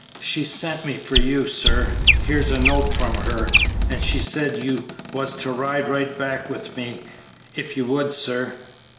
She sent me for you, sir; here's a note from her, and she said you was to ride right back with me, if you would, sir."